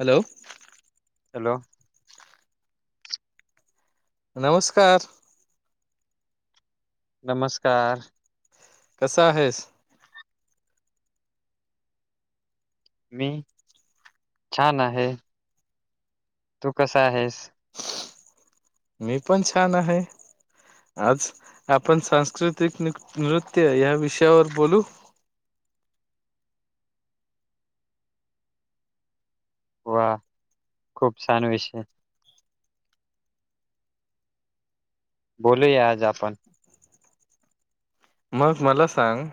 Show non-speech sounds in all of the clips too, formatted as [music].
Hello hello. नमस्कार. नमस्कार. कसा आहेस? मी छान आहे. तू कस आहेस? मी पण छान आहे. आज आपण सांस्कृतिक नृत्य या विषयावर बोलू. वा खूप छान विषय. बोलूया आज आपण. मग मला सांग?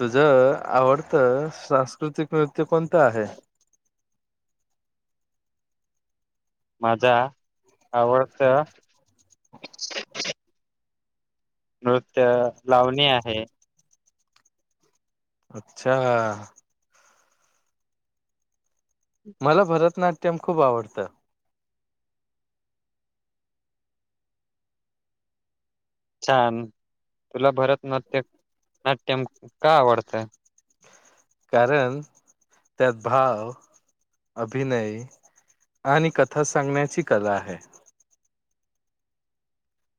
तुझ आवडत सांस्कृतिक नृत्य कोणतं आहे? माझा आवडत नृत्य लावणी आहे. अच्छा! मला भरतनाट्यम खूप आवडतं. छान, तुला भरतनाट्य नाट्यम का आवडतं. कारण त्यात भाव, अभिनय आणि कथा सांगण्याची कला आहे.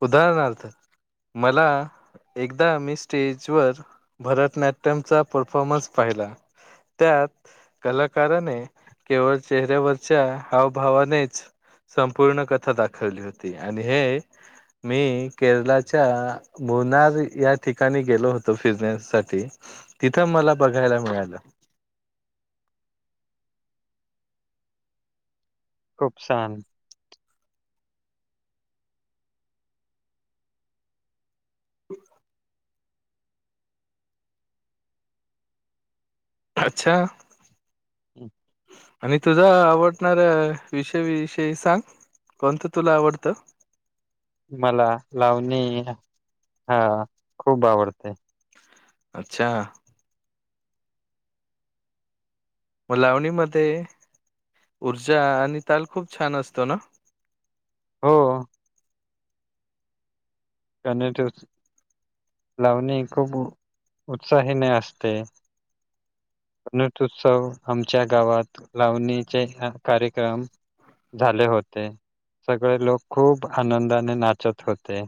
उदाहरणार्थ मला एकदा मी स्टेजवर भरतनाट्यमचा परफॉर्मन्स पाहिला. त्यात कलाकाराने केवळ चेहऱ्यावरच्या हावभावानेच. संपूर्ण कथा दाखवली होती आणि हे मी केरलाच्या- भोनार या ठिकाणी गेलो [inaudible] [inaudible] साठी तिथं मला बघायला मिळालं. खूप छान. अच्छा! हम् [inaudible] आणि तुझा आवडणारा विषयविषयी सांग कोणतं तुला आवडतं? मला लावणी हा खूप आवडते. अच्छा! मग लावणीमध्ये ऊर्जा आणि ताल खूप छान असतो ना. हो. त्यांट [inaudible] लावणी खूप उत्साहीने असते. उत्सव गावात लावणीचे कार्यक्रम, झाले होते सगळे लोक खूप आनंदाने नाचत होते.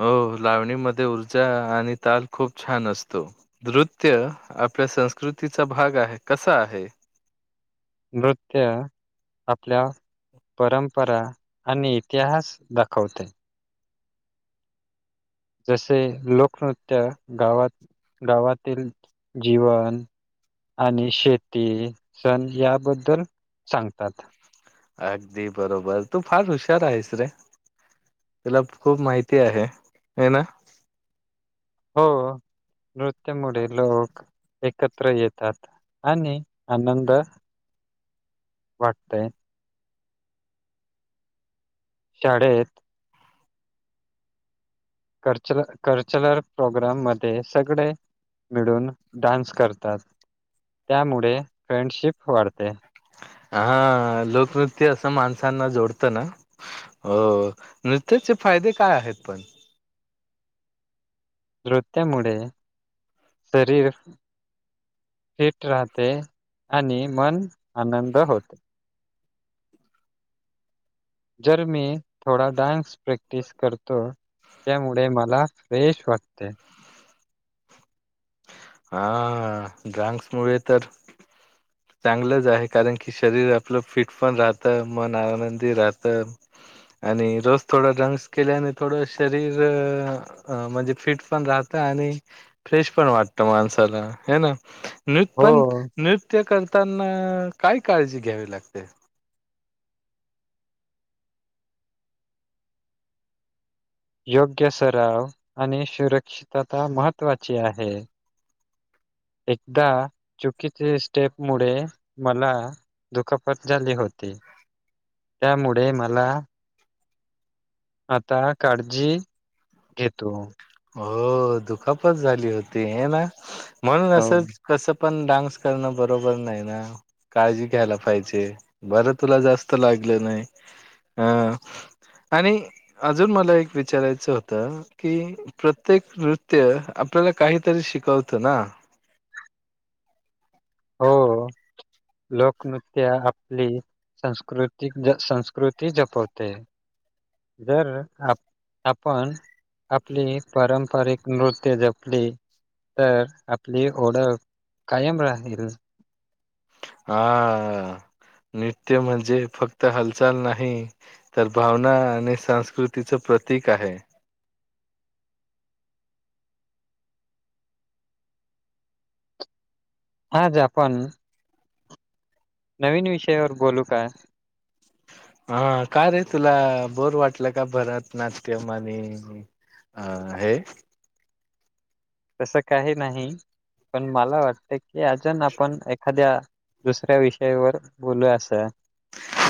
हो लावणीमध्ये ऊर्जा आणि ताल खूप छान असतो. नृत्य आपल्या संस्कृतीचा भाग आहे. कसा आहे? नृत्य आपल्या परंपरा आणि इतिहास दाखवते. जसे लोकनृत्य गावात गावातील जीवन- आणि शेती सण याबद्दल सांगतात. अगदी बरोबर तू फार हुशार आहेस रे! तीला खूप माहिती आहे. हे ना. हो. नृत्यामुळे लोक एकत्र येतात. आणि आनंद वाटतेय. शाडेत कल्चर कल्चरल प्रोग्राम मध्ये सगळे मिडून डान्स करतात. त्यामुळे फ्रेंडशिप वाढते. हा लोकनृत्य असं माणसांना जोडतं ना. हो. नृत्याचे फायदे काय आहेत पण? नृत्यामुळे शरीर फिट राहते आणि मन आनंद होते. जर मी थोडा डान्स प्रॅक्टिस करतो. त्याच्यामुळे मला फ्रेश वाटते. हा डान्स मुळे तर, चांगलंच आहे. कारण की शरीर आपलं फिट पण राहतं. मन आनंदी राहतं. आणि रोज थोडा डान्स केल्याने थोडं शरीर अ म्हणजे फिट पण राहत आणि फ्रेश पण वाट त माणसाला आहे ना. नृत हो पण नृत्य नृत्य करताना काय काळजी घ्यावी लागते? योग्य सराव आणि सुरक्षितता महत्त्वाची आहे. एकदा चुकीच्या स्टेप मुडे मला दुखापत झाली होती. त्यामुळे मला आता काळजी घेतो. हो. दुखापत झाली होती हे ना. म्हणून हो असच कसं पण डान्स करणं बरोबर नाही ना. काळजी घ्यायला पाहिजे. बरं तुला जास्त लागलं नाही. हा आणि अजून मला एक विचारायचं होतं. की, प्रत्येक नृत्य आपल्याला काहीतरी शिकवतं ना. हो [inaudible] लोकनृत्य आपली संस्कृती संस्कृती जपवते. जर आप आपण आपली पारंपरिक नृत्य जपली. तर आपली ओडक कायम राहील. हा नृत्य म्हणजे फक्त हालचाल नाही. तर भावना आणि संस्कृतीचं प्रतीक आहे. आज आपण नवीन विषयावर बोलू काय? हा काय रे तुला बोर वाटलं का? भरतनाट्यम आणि अ हे. तसं काही नाही. पण मला वाटत की, अजून आपण एखाद्या दुसऱ्या विषयावर बोलू अस.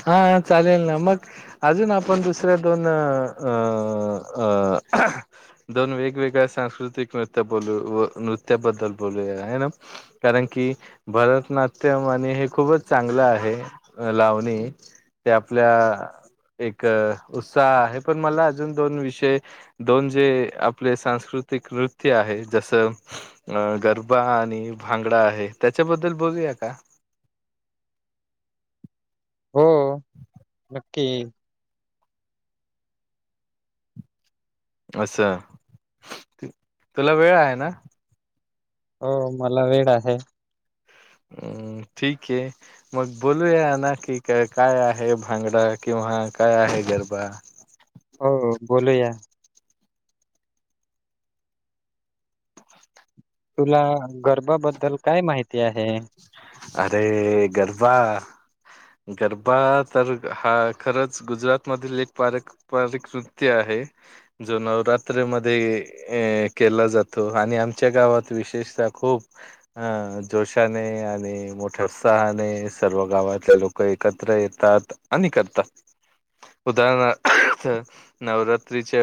हा चालेल ना मग. अजून आपण दुसऱ्या दोन अ अ. दोन वेगवेगळ्या सांस्कृतिक नृत्य बोलू व नृत्याबद्दल बोलूया आहे ना. कारण की भरतनाट्यम आणि हे खूपच चांगलं आहे. लावणी ते आपल्या एक उत्साह आहे पण मला अजून दोन विषय दोन जे आपले सांस्कृतिक नृत्य आहे जसं अ गरबा आणि भांगडा आहे त्याच्याबद्दल बोलूया का? हो नक्की. अस, तुला वेळ आहे ना. हो मला वेळ आहे. हम्म ठीक ये. मग बोलूया ना कि काय काय आहे भांगडा किंवा काय आहे गरबा. हो बोलूया. [inaudible] तुला गरबाबद्दल काय माहिती आहे. अरे गरबा. गरबा तर हा खरंच गुजरातमधील एक पारिक पारीक नृत्य आहे, जो नवरात्रीमध्ये ऐ केला जातो आणि आमच्या गावात विशेषता खूप आ जोशा नेे ने मोठ्या उत्साहाने सर्व गावातले लोक एकत्र येतात आणि करतात. उदाहरणार अर्थ नवरात्रीच्या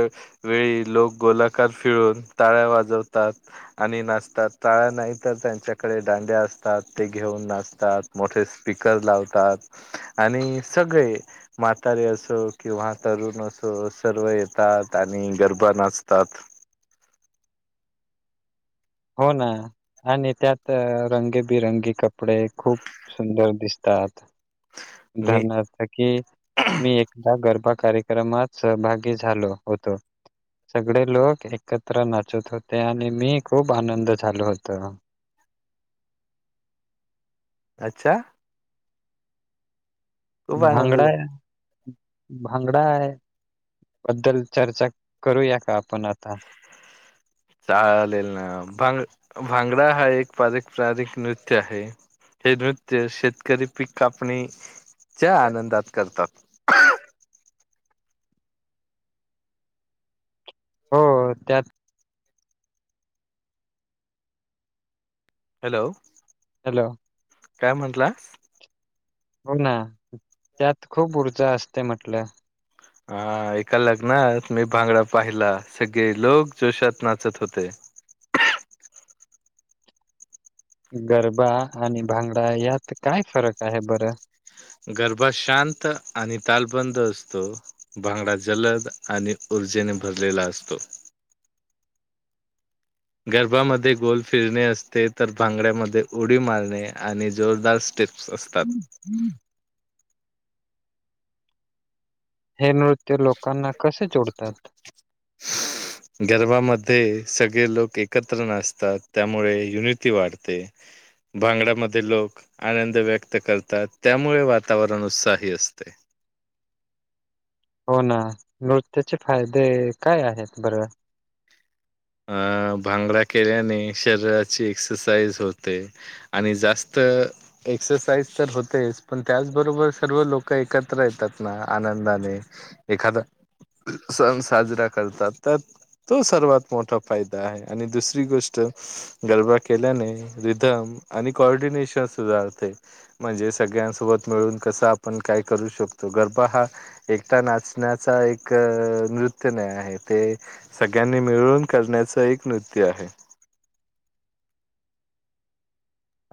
वेळी लोक गोलाकार फिरुन ताळ्या वाजवतात. आणि नाचतात तल्या नाही तर त्यांच्याकडे दाड्या असतात. ते घेऊन नाचतात मोठे स्पीकर लावतात आणि सगळे म्हातारे असो किंवा तरुण असो सर्व येतात आणि गरबा नाचतात. हो ना. आणि त्यात रंगेबिरंगी कपडे खूप सुंदर दिसतात. मी उदाहरणार्थ की मी एकदा गरबा कार्यक्रमात सहभागी झालो होतो. सगळे लोक एकत्र नाचत होते आणि मी खूप आनंद झालो होतो. अच्छा. खूप आनंद भागडा झा आहे. भांगडा आहे, बद्दल चर्चा करूया का आपण आता. [inaudible] चालेल ना भांग भांगडा हा एक पारिकपारिक नृत्य आहे. ते नृत्य शेतकरी पीक कापणे च्या आनंदात करतात. [inaudible] हो त्यात हॅलो. हॅलो. काय म्हटलास. हो ना त्यात खूप ऊर्जा असते म्हटलं. हा एका लग्नात मी भांगडा पाहिला सगळे लोक जोशात नाचत होते. गरबा आणि भांगडा यात काय फरक आहे बरं. गरबा शांत आणि तालबंद असतो. भांगडा जलद आणि ऊर्जेने भरलेला असतो. गरबा मध्ये गोल फिरणे असते. तर भांगड्यामध्ये उडी मारणे. आणि जोरदार स्टेप- - असतात. हे नृत्य लोकांना कसे जोडतात? [inaudible] गरबा मध्ये सगळे लोक एकत्र नाचतात. त्यामुळे युनिटी वाढते. भांगड्यामध्ये लोक आनंद व्यक्त करतात. त्यामुळे वातावरण उत्साही असते. हो ना, नृत्याचे फायदे काय आहेत बरं अ भांगडा केल्याने शरीराची एक्ससाइज होते. आणि जास्त एक्ससाइज तर होतेच, पण त्याचबरोबर सर्व लोक एकत्र येतात ना आनंदाने एखादा सण साजरा करतात. त्यात तो सर्वात मोठा फायदा आहे. आणि दुसरी गोष्ट गरबा केल्याने रिधम आणि कॉर्डिनेशन सुधाारते. म्हणजे सगळ्यांसोबत मिळून कसं आपण करू शकतो. गरबा हा एकटा नाचण्याचा एक नृत्य नाय आहे, ते सगळ्यांनी मिळून करण्याचा एक नृत्य आहे.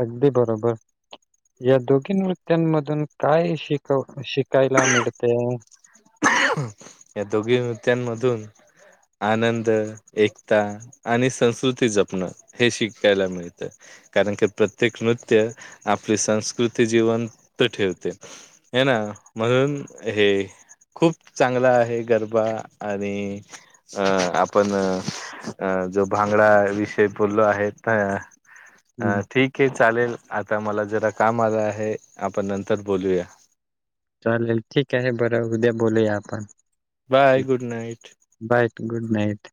अगदी बरोबर या दोघी नृत्यतमधून काय शिकव, शिकायला मिळते. या दोघी नृत्यांमधून आनंद, एकता आणि संस्कृती जपणं हे शिकतायला मिळत. कारण की, प्रत्येक नृत्य आपली संस्कृती जीवन त ठेवते. हे ना म्हणून हे खूप चांगला आहे. गरबा आणि अ आपण अ जो भांगडा विषय बोललो आहेत हा हम्म ठीक ये चालेल, आता मला जरा काम आलं आहे. आपण नंतर बोलूया. चालेल ठीक आहे. बरं उद्या बोलूया आपण. Bye good night. Bye good night.